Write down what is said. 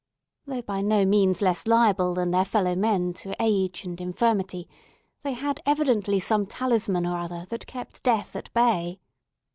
Though by no means less liable than their fellow men to age and infirmity, they had evidently some talisman or other that kept death at bay.